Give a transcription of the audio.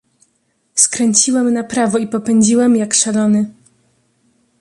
"Skręciłem na prawo i popędziłem, jak szalony."